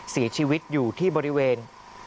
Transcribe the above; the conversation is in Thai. เสียชีวิตอยู่ที่บริเวณ